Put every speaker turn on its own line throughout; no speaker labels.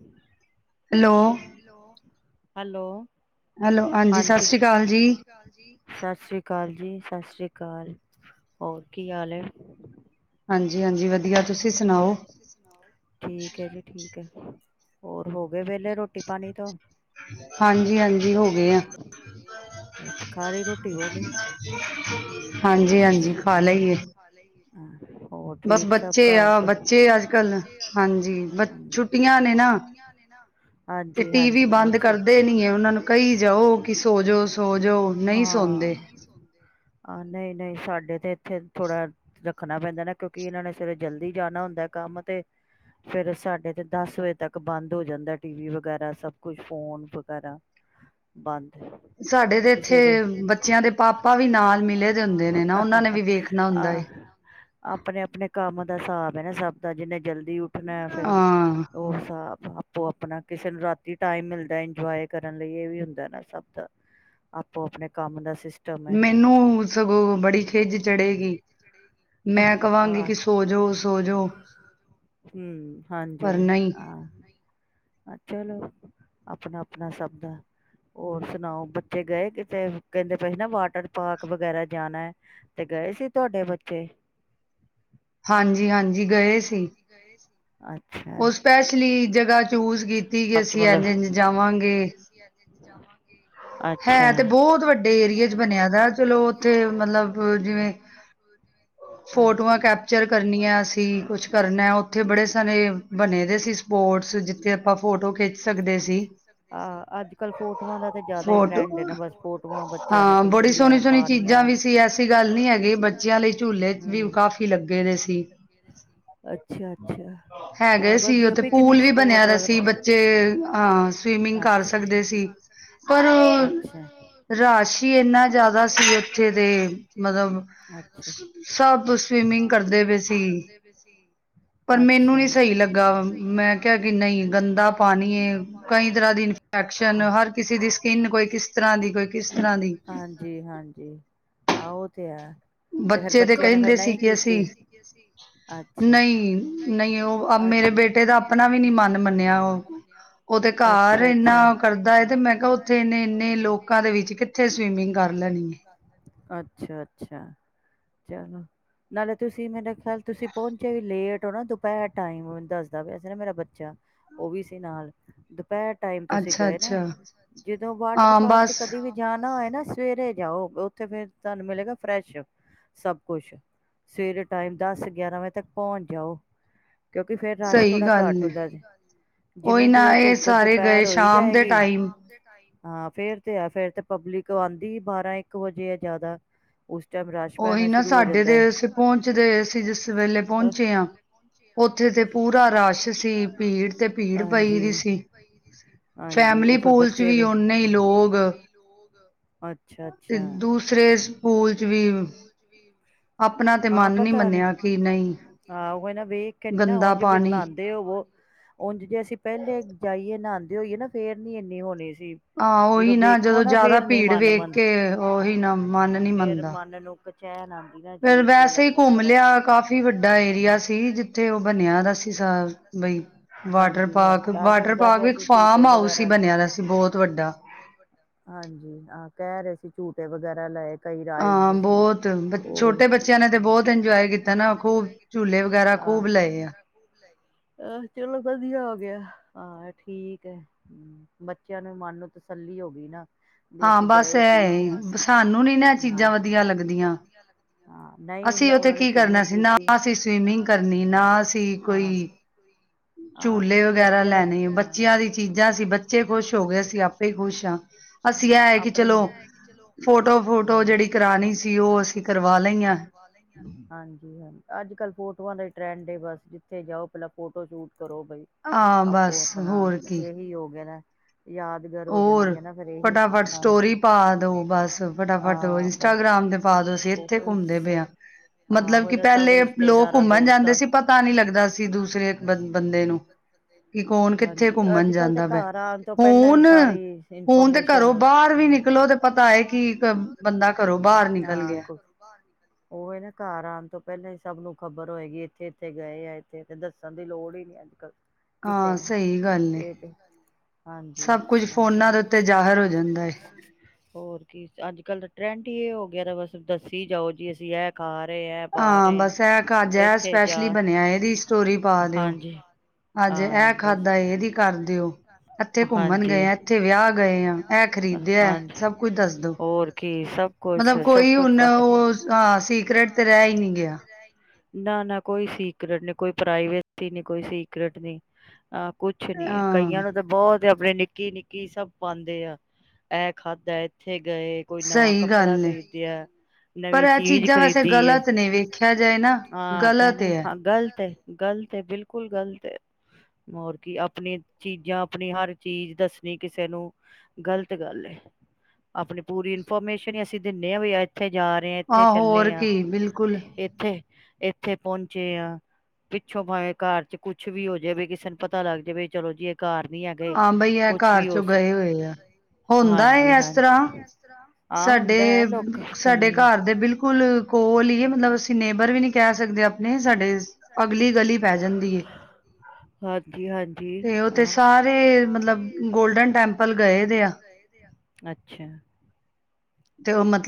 ਹੂੰ, hello, hello. ਹਾਂਜੀ, ਸਤਿ ਸ੍ਰੀ ਅਕਾਲ ਜੀ। ਜੀ, ਸਤਿ ਸ਼੍ਰੀ ਅਕਾਲ ਹੋਰ ਕੀ ਹਾਲ ਐ?
ਹਾਂਜੀ-ਹਾਂਜੀ, ਵਧੀਆ ਤੁਸੀਂ ਸੁਣਾਓ?
ਹੋਰ ਹੋ ਗਏ ਵਿਹਲੇ ਰੋਟੀ-ਪਾਣੀ ਤੋਂ। ਹਾਂਜੀ-ਹਾਂਜੀ ਹੋ ਗਏ ਆ। ਖਾ ਲਈ ਰੋਟੀ ਪਾਣੀ। ਹਾਂਜੀ ਖਾ ਲਈ ਏ।
ਬਸ।
[inaudible] ਹਾਂਜੀ-ਹਾਂਜੀ [inaudible] ਹਾਂ, ਨਹੀਂ-ਨਹੀਂ ਸਾਡੇ ਤੇ ਇਥੇ ਥੋੜਾ। ਰੱਖਣਾ ਪੈਂਦਾ ਨਾ ਕਿਉਂਕਿ ਇਨ੍ਹਾਂ ਨੇ, ਫਿਰ ਜਲਦੀ ਜਾਣਾ ਹੁੰਦਾ ਕੰਮ ਤੇ ਫੇਰ ਸਾਡੇ ਤੇ ਦਸ ਵਜੇ ਤੱਕ ਬੰਦ ਹੋ ਜਾਂਦਾ ਟੀ ਵੀ ਵਗੈਰਾ ਸਭ ਕੁਛ ਫੋਨ ਵਗੈਰਾ ਬੰਦ।
ਸਾਡੇ ਤੇ ਇੱਥੇ ਬੱਚਿਆਂ ਦੇ ਪਾਪਾ ਵੀ ਨਾਲ ਮਿਲੇ ਦੇ ਹੁੰਦੇ ਨੇ ਨਾ ਉਹਨਾਂ ਨੇ ਵੀ ਵੇਖਣਾ ਹੁੰਦਾ ਏ।
ਕੰਮ ਦਾ ਹਿਸਾਬ ਆ ਨਾ ਸਭ ਦਾ ਜਿੰਨੇ ਜਲਦੀ ਉੱਠਣਾ ਫੇਰ ਉਹ ਹਿਸਾਬ ਨਾਲ, ਆਪੋ ਆਪਣਾ ਕਿਸੇ ਨੂੰ ਰਾਤੀ ਟਾਈਮ ਮਿਲਦਾ
ਮੈਨੂੰ ਸਗੋਂ ਬੜੀ ਖਿੱਝ ਚੜੇਗੀ ਮੈਂ ਕਵਾਂਗੀ ਕਿ ਸੁ
ਹੂ ਹਾਂਜੀ ਆਹ ਚਲੋਂ। ਆਪਣਾ ਆਪਣਾ ਸਭ ਦਾ ਹੋਰ ਸੁਣਾਓ ਬੱਚੇ ਗਏ ਕਿਤੇ ਕਹਿੰਦੇ ਪਏ ਨਾ ਵਾਟਰ ਪਾਰਕ ਵਗੈਰਾ ਜਾਣਾ ਹੈ ਤੇ ਗਏ ਸੀ ਤੁਹਾਡੇ ਬੱਚੇ।
ਹਾਂਜੀ ਹਾਂਜੀ ਗਏ ਸੀ। ਉਹ ਸਪੈਸ਼ਲੀ। ਜਗ੍ਹਾ ਚੂਜ ਕੀਤੀ ਕੀਤੀ ਗ ਅਸੀਂ ਇੰਝ ਇੰਝ ਜਾਵਾਂਗੇ
ਜਾਵਾਂਗੇ
ਹੈ ਤੇ ਬਹੁਤ ਵੱਡੇ ਏਰੀਏ ਚ ਬਣਿਆ ਦਾ ਚਲੋ ਉੱਥੇ ਮਤਲਬ ਜਿਵੇਂ ਫੋਟੋਆਂ ਕੈਪਚਰ ਕਰਨੀੀਆਂ ਅਸੀਂ ਕੁਛ ਕਰਨਾ ਉੱਥੇ ਬੜੇ ਸਾਰੇ ਬਣੇ ਦੇ ਸੀ ਸਪੋਰਟਸ ਜਿੱਥੇ ਆਪਾਂ ਫੋੋ
ਅੱਜ ਕਲ ਫੋਟੋਆਂ ਦਾ ਤੇ ਟਡ ਬ ਫੋਟੋਆਂ ਬਚਿਆਂ ਨੇ ਖਿਣੀਆਂ ਪਾਣੀਆਂ ਉੱਥੇ ਸੁਣ ਸੁਣੀ ਚੀਜ਼ਾਂ ਵੀ ਐਸੀ ਗੱਲ ਨਹੀਂ ਬੱਚਿਆਂ ਜੀ ਵਧੀਆ ਅੱਛਾ ਅੱਛਾ ਪਿੰਕਨਿੰਗ ਸਪੋਰਟ
ਜੇ ਹਾਂ ਸਵੀਮਿੰਗ ਕਰ ਸਕਦੇ ਸੀ ਪਰ ਰਸ਼ ੀ ਇੰਨਾ ਜ਼ਿਆਦਾ ਸੀ ਉੱਥੇ ਦੇ ਮਤਲਬ ਸਭ ਸਵੀਮਿੰਗ ਕਰਦੇ ਪਏ ਸੀ ਪਰ ਮੈਨੂੰ ਨੀ ਸਹੀ ਲੱਗਾ ਮੈਂ ਕਿਹਾ ਕਿ ਨਹੀਂ ਗੰਦਾ ਪਾਣੀ ਏ ਕਈ ਤਰ੍ਹਾਂ ਦੀ ਇਨਫੈਕਸ਼ਨ ਹਰ ਦੀ ਸਕਿੰਨ ਕੋਈ ਕਿਸ ਤਰ੍ਹਾਂ ਦੀ ਕੋਈ ਕਿਸ ਤਰ੍ਹਾਂ ਦੀ
ਹਾਂਜੀ ਹਾਂਜੀ ਆਹੋ ਓ ਤੇ ਹੈ ਤੇ ਫਿਰ ਬੱਚਿਆਂ ਨੇ ਫਿਰ ਨਹੀਂ ਕੀਤੀ ਅੱਛਾ ਨਹੀਂ ਮੇਰੇ ਬੇਟੇ ਦਾ ਆਪਣਾ ਵੀ ਮਨ ਅੱਛਾ ਅੱਛਾ ਉਹ ਕਿੱਥੇ ਬਾਹਰ ਫਿਰਦਾ ਲੋਕਾਂ ਵਿੱਚ ਕਿੱਥੇ ਸਵਿਮਿੰਗ ਕਰਨੀ ਅੱਛਾ ਅੱਛਾ ਚਲੋ ਨਾਲੇ ਤੁਸੀਂ ਮੇਰਾ ਖਿਆਲ ਤੁਸੀਂ ਪਹੁੰਚੇ ਵੀ ਲੇਟ ਹੋ ਨਾ ਦੁਪਹਿ ਟਾਈਮ ਦੱਸਦਾ ਵੀਸ ਨਾ ਮੇਰਾ ਬੱਚਾ ਉਹ ਵੀ ਸੀ ਨਾਲ ਟਾਈਮ ਤੁਸੀਂ ਗਏ ਨਾ ਜਦੋਂ ਵਾਟਰ ਪਾਰਕ ਚ ਕਦੇ ਵੀ ਨਾ ਹੈ ਨਾ ਸਵੇਰੇ ਜਾਓ ਉੱਥੇ ਫਿਰ ਤੁਹਾਨੂੰ ਮਿਲੇਗਾ ਫਰੈਸ਼ ਸਭ ਕੁਛ ਸਵੇਰੇ ਟਾਈਮ ਦਸ ਗਿਆਰਾਂ ਵਜੇ ਤੱਕ ਪਹੁੰਚ ਜਾਓ ਕਿਉਂਕਿ ਫਿਰ ਰਸ਼ ਥੋੜਾ ਘੱਟ ਹੁੰਦਾ ਜਿਵੇਂ ਜਿਵੇਂ ਧੁੱਪ ਦੁਪਹਿਰ ਹੋਈ ਜਾਏਗੀ ਹਾਂ ਫਿਰ ਤੇ ਆ ਫਿਰ ਤੇ ਪਬਲਿਕ ਆਉਂਦੀ ਬਾਰਾਂ ਇੱਕ ਵਜੇ ਆ ਜ਼ਿਆਦਾ
ਉਹੀ ਨਾ ਸਾਡੇ ਤੇ ਅਸੀਂ ਪਹੁੰਚਦੇ ਅਸੀਂ ਜਿਸ ਵੇਲੇ ਪਹੁੰਚੇ ਹਾਂ ਉੱਥੇ ਤੇ
ਉਥੇ ਤੇ ਪੂਰਾ ਰਸ਼ ਸੀ ਭੀੜ ਪਈ ਹੋਈ ਸੀ ਹਾਂਜੀ ਹਾਂਜੀ ਫਿਰ ਬਚੇ ਵ ਅਛਾ ਅਛਾ
ਸਕੂਲ ਚ ਵੀ
ਹਾਂ ਪਤਾ ਨਹੀਂ ਆਹ ਕਹਿੰਦਾ ਵੇਖ ਕੇ ਨ ਨਾ ਹੁਣ ਜੇ ਫਿਰ ਨਹਾਉਂਦੇ ਹੋਵੋ ਉਂਝ ਜੇ ਅਸੀਂ ਪਹਿਲੇ ਜਾਈਏ ਨਹਾਉਂਦੇ ਹੋਈਏ ਨਾ ਫੇਰ ਨੀ ਇੰਨੀ ਹੋਣੀ ਸੀ
ਹਾਂ ਉਹੀ ਨਾ ਜਦੋਂ ਜ਼ਿਆਦਾ ਭੀੜ ਵੇਖ ਕੇ ਉਹੀ ਨਾ ਮਨ
ਫਿਰ ਮਨ ਨੂੰ ਬਚੈਨ ਜ ਅੀਬ ਜਹਾ ਲਗਦਾ ਵੈਸੇ ਹੀ ਘੁੰਮ ਲਿਆ ਕਾਫੀ ਵੱਡਾ ਏਰੀਆ ਸੀ ਜਿੱਥੇ ਦਸਦਾ ਪਿਆ ਸੀ ਅਤੇ ਝੂਟੇ ਵਗੈਰਾ ਫਾਰਮ ਹਾਊਸ ਵੱਡਾ ਝੂਟੇ ਵਗੈਰਾ ਲਏ ਕਈ ਰਾਈਡ ਸੀ ਬਹੁਤ ਛੋਟੇ ਬੱਚੇ ਨੇ ਬਹੁਤ ਇੰਜੋਏ ਕੀਤਾ [unintelligible] ਚਲੋ ਵਧੀਆ ਹੋ ਗਿਆ ਹਾਂ ਠੀਕ ਹੈ ਬੱਚਿਆਂ ਨੂੰ ਮਨ ਨੂੰ ਤਸੱਲੀ ਹੋ ਗਈ ਨਾ
ਹਾਂ ਬਸ ਇਹ ਸਾਨੂੰ ਉਹ ਨੀ ਨਾ ਚੀਜ਼ਾਂ ਵਧੀਆ ਲੱਗਦੀਆਂ
ਹਾਂ ਨਹੀਂ ਉਹਨਾ ਨੇ ਸਵਿਮਿੰਗ ਕੀਤੀ
ਝੂਲੇ ਵਗੈਰਾ ਲੈਣੇ ਆ ਬੱਚਿਆਂ ਦੀ ਚੀਜ਼ਾਂ ਸੀ ਬੱਚੇ ਖੁਸ਼ ਹੋ ਗਏ ਸੀ ਆਪੇ ਖੁਸ਼ ਹਾਂ ਅਸੀਂ ਇਹ ਹੈ ਕਿ ਚਲੋ ਫੋਟੋ
ਫੋੋ ਜ ਕਰ ਹਨਾਂਜੀ ਹਨਾਂਜੀ ਅਜ ਕਲ ਫੋਟੋਆਂ ਦਾ ਟ ਬ ਜਿੱਥੇ ਜਾਓ ਪਹਿਲਾਂ ਫੋਟੋ ਸ਼ੂਟ ਕਰੋ ਬਈ ਆਪੋ ਆਪਣਾ ਇਹੀ ਯੋਗ ਨਾ ਯਾਦਗਾਰ ਹੋ ਜਾਂਦੀ ਆ ਨਾ ਫਿਰ ਇਹੀ ਹਾਂਜੀ
ਫਟਾਫਟ ਇੰਸਟਾਗ੍ਰਾਮ ਤੇ ਪਾਦੋ ਅਸੀਂ ਇੱਥੇ ਘੁੰਮਦੇ ਪਏ ਹਾਂ ਮਤਲਬ ਕਿ ਪਹਿਲੇ ਲੋਕ ਘੁੰਮਣ ਜਾਂਦੇ ਸੀ ਪਤਾ ਨੀ ਲੱਗਦਾ ਸੀ ਦੂਸਰੇ ਬ ਬੰਦੇ ਨੂੰ ਕਿ ਕੌਣ ਕਿੱਥੇ ਘੁੰਮਣ ਜਾਂਦਾ ਪੈ ਹੁਣ ਹੁਣ ਹੁਨ ਤੇ ਘਰੋਂ ਬਾਹਰ ਵੀ ਨਿਕਲੋ ਤੇ ਪਤਾ ਹੈ ਕਿ ਬੰਦਾ ਘਰੋਂ ਬਾਹਰ ਨਿਕਲ ਗਿਆ
ਉਹ ਨਾ ਘਰ ਆਉਣ ਤੋਂ ਪਹਿਲਾਂ ਹੀ ਸਭ ਨੂੰ ਖ਼ਬਰ ਹੋਏਗੀ ਇੱਥੇ ਇੱਥੇ ਗਏ ਆ ਇੱਥੇ ਦੱਸਣ ਦੀ ਲੋੜ ਹੀ ਨੀ ਅੱਜ ਕੱਲ ਕਿਸੇ ਨੂੰ ਤੇ ਹਾਂਜੀ ਆਹ ਅੱਜ ਕੱਲ ਤਾਂ ਟਰੈਂਡ ਹੀ ਇਹ ਹੋ ਗਿਆ ਤਾਂ ਬਸ ਦੱਸੀ ਜਾਓ ਜੀ ਅਸੀਂ ਇਹ ਖਾ
ਹਾਂ ਬਸ ਇਹ ਅੱਜ ਇਹ ਸਪੈਸ਼ਲੀ ਬਣਿਆ ਇਹਦੀ ਸਟੋਰੀ ਪਾ ਦਿਓ ਅੱਜ ਇਹ ਖਾਧਾ ਇਹਦੀ ਕਰ ਦਿਓ ਇੱਥੇ ਘੁੰਮਣ ਗਏ ਆ ਇੱਥੇ ਵਿਆਹ ਗਏ ਆ ਇਹ ਖਰੀਦਿਆ ਸਭ ਕੁੱਝ ਦੱਸ ਦਿਓ
ਹੋੁਰਰ ਕੀ
ਮਤਲਬ ਕੋਈ ਹੁਣ ਉਹ ਹਾਂ ਸੀਕਰੇਟ ਤੇ ਰਹਿ ਹੀ ਨਹੀਂੀ ਗਿਆ
ਨਾ ਨਾ ਕੋਈ ਸੀਕਰੇਟ ਨਹੀਂੀ ਕੋਈ ਪ੍ਰਾਈਵੇਸੀ ਨਹੀਂੀ ਕੋਈ ਸੀਕਰੇਟ ਨਹੀਂੀ ਆਹ ਕੁਛ ਨੀ ਹੈ ਕਈਆਂ ਨੂੰ ਤਾਂ ਬਹੁਤ ਆਪਣੇ ਨਿੱ ਨਿੱਕੀ ਨਿੱਕੀ ਸਭ ਪਾਉਂਦੇ ਆ ਇਹ ਖਾਦ ਠੀਕ ਗਏ ਕੋਈ ਨਵਾਂ ਕੱਪੜਾ ਖ਼ਰੀਦਿਆ ਨਵੀਂ ਚੀਜ਼ ਖਰੀਦੀ ਹਾਂ ਨ ਨਹੀਂ ਹਾਂ ਗ਼ਲਤ ਗ਼ਲਤ ਹੈ ਬਿਲਕੁਲ ਗ਼ਲਤ ਹੈ ਹੋਰ ਕੀ ਆਪਣੀ ਚੀਜ਼ਾਂ ਆਪਣੀ ਹਰ ਚੀਜ਼ ਦੱਸਣੀ ਕਿਸੇ ਨੂੰ ਗਲਤ ਗੱਲ ਹੈ ਆਪਣੀ ਪੂਰੀ ਇਨਫੋਰਮੇਸ਼ਨ ਹੀ ਅਸੀਂ ਦਿੰਦੇ ਹਾਂ ਵੀ ਇੱਥੇ ਜਾ ਰਹੇ ਆ ਇੱਥੇ ਚੱਲੇ ਆ ਇੱਥੇ ਇੱਥੇ ਪਹੁੰਚੇ ਆ ਪਿੱਛੋਂ ਭਾਵੇਂ ਘਰ ਚ ਕੁੱਛ ਵੀ ਹੋ ਜਾਵੇ ਕਿਸੇ ਨੂੰ ਪਤਾ ਲੱਗ ਜਾਵੇ ਚਲੋ ਜੀ
ਹਾਂ ਬਈ ਇਹ ਘਰ ਚੋਂ ਗਏ ਹੋਏ ਆ ਹੁੰਦਾ ਇਸ ਤਰ੍ਹਾਂ
ਅਸਰਾ ਹ ਹੁੰਦਾ ਲੋਕ ਹ ਸਾਡ ਘ ਬੁਲ ਸ ਗ ਅੱਛਾ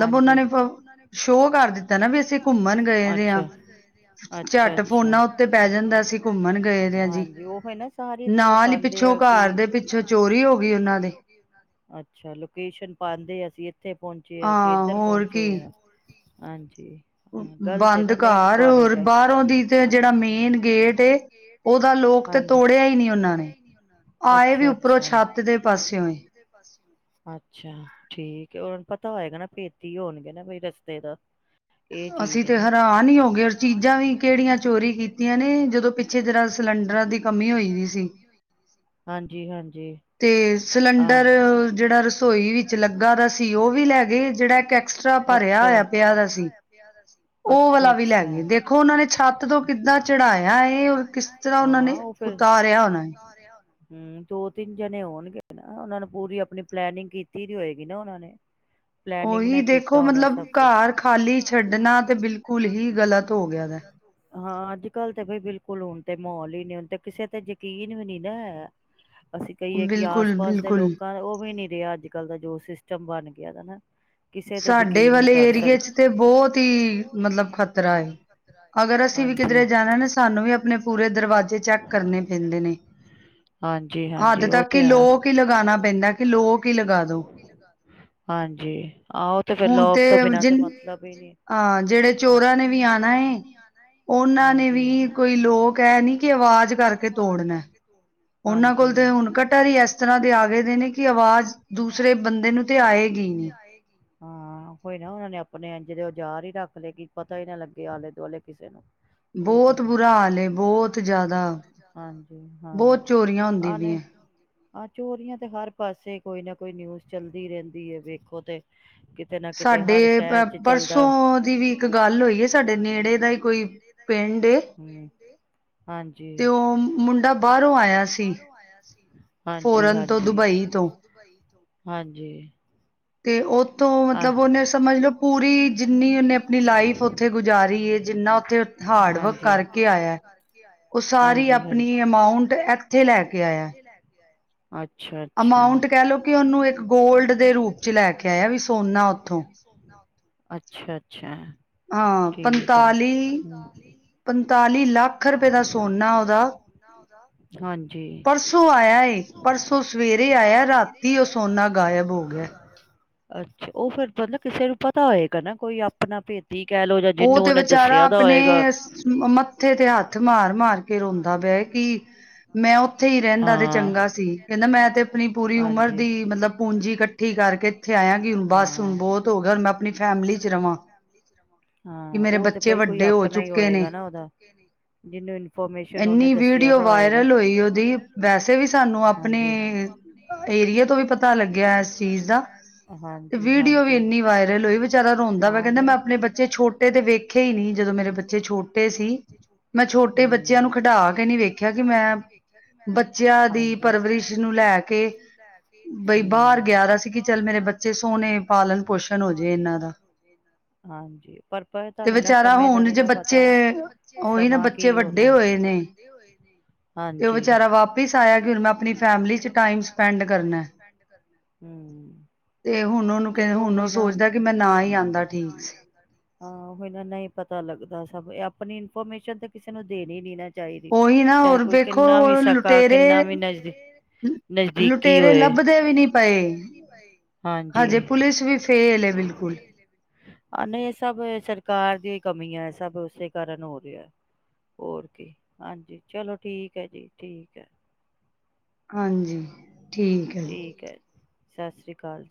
ਹਾਂਜੀ ਅਛਾ ਅਛਾ ਅਾ ਹਾਂਜੀ ਨਾ ਸਾਰੇ ਤੇ ਪਾਦੇ ਆ ਚੋ ਅਛਾ ਲੋ ਪਾਦੇ ਆ ਪਹੁੰਚੇਸੀਂ ਇੱਧਰ ਪਹੁੰਚੇ ਆ। ਹਾਂਜੀ। ਹੂੰ, ਗਲਤ ਏ ਨਾ, ਨਹੀਂ ਪਾਣੀ ਚਾਹੀਦੀ, ਅੱਛਾ- ਅਛਾ ਠੀਕ ਏ। ਹੋਏਗਾ ਨਾ ਪੇਤੀ ਹੋਣਗੇ ਨਾ ਬ ਰਸਤੇ ਦਾ ਇਹ ਚੀਜ਼ ਏ, ਨਾ ਅਸੀ ਤੇ ਹੈਰਾਨ ਹੋ ਚੀਜ਼ਾਂ ਕਿੜ ਚੋਰੀ ਕੀਤੀ ਨੇ ਜਦ ਪਛੇ ਤ ਸਿਲਡਾਂ ਦੀ ਹੋ ਹਾਂਜੀ- ਹਾਂਜੀ।
ਤੇ, ਸਿਲੰਡਰ ਜਿਹੜਾ ਰਸੋਈ ਵਿੱਚ ਲੱਗਾ ਦਾ ਸੀ
ਲਗਾ ਦਾ ਸੀ ਉਹ ਵੀ ਲੈਗੇ, ਐਕਸਟਰਾ ਭਰਿਆ ਹੋ ਪ ਦਾ ਅਾ ਅਾ ਵਾਲਾ ਵੀ ਲ [unintelligible] ਹਮ ਦੋ, ਤਿੰਨ ਜਣੇ ਹੋਣਗੇ ਨਾ ਉਹਨਾਂ ਨੂੰ ਪੂਰੀ ਆਪਣੀ ਪਲੈਨਿੰਗ ਕੀਤੀ ਨ ਹੋਏਗੀ ਨਾ ਉਹਨਾਂ ਨੇ।
ਉਹੀ, ਦੇਖੋ ਮਤਲਬ ਘਰ ਖਾਲੀ ਛੱਡਣਾ ਤੇ, ਬਿਲਕੁਲ ਹੀ ਗਲਤ ਹੋ ਗਿਆ ਵ
ਅੱਜ-ਕੱਲ ਤੇ ਬਈ ਬਿਲਕੁਲ ਹੁਣ ਤੇ, ਮਾਹੋਲ ਹੀ ਨੀ ਹੁਣ ਤੇ ਕਿਸੇ ਤੇ ਯਕੀਨ ਵੀ ਨੀ ਨਾ ਹੈਗਾ। ਅਸੀਂ ਕਹੀਏ ਕਿ ਆਸ- ਪਾਸ ਦੇ ਲੋਕਾਂ ਨੇ ਉਹ ਵੀ ਨੀ ਅੱਜ- ਕੱਲ ਦਾ ਜੋ ਸਿਸਟਮ ਬਣ ਗਿਆ ਨਾ ਕਿਸੇ ਤੇ ਯਕੀਨ ਨੀ ਕਰ ਸਕਦੇ ਬਹੁਤ ਹਾਂਜੀ- ਹਾਂਜੀ ਓ, ਤੇ, ਹੈ।
ਹੁਣ ਤੇ, ਜਿਹਨ ਜਿਹੜੇ ਚੋਰਾਂ ਨੇ ਵੀ ਆਣਾ ਉਹਨਾਂ ਨੇ ਵੀ, ਕੋਈ ਲੋਕ ਇਹ ਨੀ ਕਿ ਆਵਾਜ਼ ਕਰਕੇ ਤੋੜਨਾ। ਉਹਨਾਂ ਕੋਲ ਤੇ, ਹੁਣ ਕਟਰ ਹੀ ਇਸ ਤਰ੍ਹਾਂ ਦੇ ਆ ਗਏ ਨੇ, ਕਿ ਆਵਾਜ਼ ਦੂਸਰੇ ਬੰਦੇ ਨੂੰ ਤੇ ਆਏਗੀ ਗਈ ਨ
ਹਾਂ, ਹੋਈ ਨਾ ਉਹਨਾਂ ਨੇ ਆਪਣੇ ਇੰਜ ਦੇ ਉਹ ਜਾਰ ਹੀ ਰੱਖ ਲਏ ਕਿ ਪਤਾ ਹੀ ਨਾ, ਲੱਗੇ ਆਲੇ ਦੁਆਲੇ ਕਿਸੇ ਨੂੰ।
ਬਹੁਤ ਬੁਰਾ ਹਾਲ ਏ, ਬਹੁਤ ਜ਼ਿਆਦਾ, ਬਹੁਤ ਚੋਰੀਆਂ ਹੁੰਦੀ ਪਈਆਂ।
ਆ ਚੋਰੀਆਂ ਤੇ, ਹਰ ਪਾਸੇ ਕੋਈ ਨਾ ਕੋਈ ਨਿਊਜ਼ ਚੱਲਦੀ ਰਹਿੰਦੀ ਹੈ। ਵੇਖੋ ਤੇ, ਕਿਤੇ ਨਾ ਕਿਤੇ ਹਰ ਸ਼ਰ ਚ ਚਲਦਾ। ਪਰਸੋ ਗ ਹੋ ਹਾਂਜੀ ਮੁੰਡਾ ਬਰੋਂ ਆ ਹਾਂਜੀ-ਹਾਂਜੀ ਦੁਬਈ ਤੋਂ ਹਾਂਜੀ।
ਤੇ ਉਹ ਥੋਂ ਮਤਲਬ ਉਹਨੇ ਸਮਝ ਲਓ, ਪੂਰੀ ਜਿੰਨੀ ਓਨੇ ਆਪਣੀ ਲਾਈਫ ਓਥੇ ਗੁਜ਼ਾਰੀ ਹੈ, ਜਿੰਨਾ ਓਥੇ ਹਾਰਡ ਵਰਕ ਕਰਕੇ ਆਇਆ, ਉਹ ਸਾਰੀ ਆਪਣੀ ਅਮਾਂਉਟ ਐਥੇ ਲੈ ਕੇ ਆਇਆ ਅਮਾੰਊਂਟ ਕਹਿ ਲਓ ਕਿ, ਉਹਨੂੰ ਇੱਕ ਗੋਲਡ ਦੇ ਰੂਪ'ਚ ਲੈ ਕੇ ਆਇਆ ਵੀ
ਚ ਲੈ ਕੇ, ਆਇਆ ਵੀ ਸੋਨਾ ਉੱਥੋਂ ਅੱਛਾ-ਅੱਛਾ
ਹਾਂ, ਪੰਤਾਲੀ- ਪੰਤਾਲੀ ਚਾਲੀ ਲੱਖ ਰੁਪਏ ਦਾ, ਸੋਨਾ ਉਹਦਾ ਪਰਸੋ ਆਇਆ ਏ, ਪਰਸੋ ਸਵੇਰੇ ਆਇਆ ਰਾਤੀ ਉਹ ਸੋਨਾ ਗਾਇਬ ਹੋ ਗਿਆ।
ਅੱਛਾ ਉਹ ਫਿਰ, ਮਤਲਬ ਕਿਸੇ ਨੂੰ ਪਤਾ ਹੋਏਗਾ ਨਾ ਕੋਈ, ਆਪਣਾ ਭੇਦ
ਉਹ ਤੇ ਵਿਚਾਰਾ ਆਪਣੇ ਮੱਥੇ ਤੇ ਹੱਥ ਹੱਥ ਮਾਰ- ਮਾਰ ਕੇ ਰੋਂਦਾ ਪਇਆ ਕਿ ਮੈਂ ਉੇ ਉੱਥੇ ਹੀ ਰਹਿੰਦਾ ਤੇ ਚੰਗਾ ਸੀ ਕਹਿੰਦਾ। ਮੈਂ ਤੇ ਆਪਣੀ ਪੂਰੀ ਉਮਰ ਦੀ ਮਤਲਬ ਪੂੰਜੀ ਕੱਡੀ ਠੀਕ ਕਰਕੇ
ਕਰਕੇ ਬਸ ਬਹੁਤ ਮੈਂ ਆਪਣੀ ਫੈਮਲੀ ਚ ਰਵਾਂ
ਕਿ ਮੇਰੇ ਬੱਚੇ ਵੱਡੇ ਹੋ ਚੁੱਕੇ ਨੇ, ਇੰਨੀ ਵੀਡੀਓ ਵਾਇਰਲ ਹੋਈ ਉਹਦੀ ਵੈਸੇ ਵੀ ਸਾਨੂੰ ਆਪਣੇ ਏਰੀਏ ਤੋਂ ਵੀ ਪਤਾ ਲੱਗਿਆ। ਇਸ ਚੀਜ਼ ਦਾ ਵੀਡੀਓ ਵੀ ਇੰਨੀ ਵਾਇਰਲ ਹੋਈ ਵਿਚਾਰਾ ਰੋਂਦਾ ਵਾ ਕਹਿੰਦਾ, ਮੈਂ ਆਪਣੇ ਬੱਚੇ ਛੋਟੇ ਏ ਤੇ ਵੇਖਿਆ ਹੀ ਨਹੀ ਜਦੋਂ ਮੇਰੇ ਬੱਚੇ ਛੋਟੇ ਸੀ, ਮੈਂ ਛੋਟੇ ਬੱਚਿਆਂ ਨੂੰ ਖਡਾ ਕੇ ਨੀ ਵੇਖਿਆ ਕਿ ਮੈਂ ਬੱਚਿਆਂ ਦੀ ਪਰਵਰਿਸ਼ ਨੂੰ ਲੈ ਕੇ ਬਈ ਬਾਹਰ ਗਿਆ, ਤਾਂ ਸੀ ਕਿ ਚੱਲ ਮੇਰੇ ਬੱਚੇ
ਮੇਰੇ ਬੱਚੇ ਸੋਹਣੇ ਪਾਲਣ ਪੋਸ਼ਨ ਹੋ ਜੇ ਹਾਂਜੀ ਪਤਾ ਨੀ ਨਾ ਸਮੇ ਦਾ ਨੀ ਨਾ ਪਤਾ ਸਮਾਂ ਕੀ ਹੋਣਾ ਹਾਂਜੀ ਤੇ ਵਿਚਾਰਾ ਵਾਪਸ ਆਇਆ ਆਪਣੀ ਫੈਮਲੀ ਦੇ ਟਾਈਮ ਸਪੈਂਡ ਕਰਨ।
ਤੇ ਹੁਣ ਉਹਨੂੰ ਕੇ ਹੁਣ ਉਹ ਸੋਚਦਾ ਕਿ ਮੈਂ ਨਾ ਹੀ ਆਉਂਦਾ ਠੀਕ ਸੀ।
ਹਾਂ ਨਹੀਂ ਪਤਾ ਲੱਗਦਾ ਸਭ ਇਹ ਆਪਣੀ ਇਨਫੋਰਮੇਸ਼ਨ ਤਾਂ ਕਿਸੇ ਨੂੰ ਦੇਣੀ ਨੀ ਨਾ
ਉਹੀ ਨਾ ਹੋਰ ਵੇਖੋ ਉਹ ਲੁਟੇਰੇ -ਲੁਟੇਰੇ ਲੱਭਦੇ ਵੀ ਨੀ ਪਏ
ਹਾਂਜੀ ਜੇ ਪੁਲਿਸ ਫੇਲ ਏਨਹੀਂ ਸਭ ਸਰਕਾਰ ਦੀਆਂ ਕਮੀ ਹੈ ਸਭ ਉਸੇ ਕਾਰਨ ਹੋ ਰਿਹਾ। ਹੋਰ ਕੀ ਹਾਂਜੀ ਚਲੋ ਠੀਕ ਹੈ ਜੀ। ਠੀਕ ਹੈ।
ਹਾਂਜੀ। ਠੀਕ ਹੈ ਜੀ।
ਸਤਿ ਸ਼੍ਰੀ ਅਕਾਲ ਕਾਲ